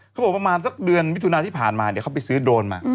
ประมาณสักเดือนมิถุนาที่ผ่านมาเขาไปซื้อโดรนมา